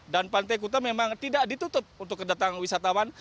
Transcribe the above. dan pantai kuta memang tidak ditutup untuk kedatangan wisatawan